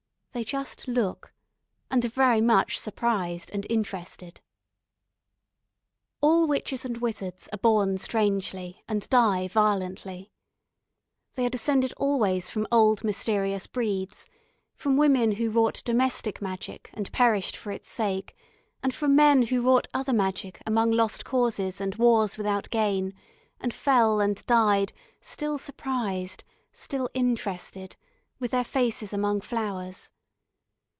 They just look, and are very much surprised and interested. All witches and wizards are born strangely and die violently. They are descended always from old mysterious breeds, from women who wrought domestic magic and perished for its sake, and from men who wrought other magic among lost causes and wars without gain, and fell and died, still surprised, still interested, with their faces among flowers.